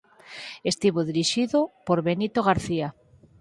Estivo dirixido por Benito García.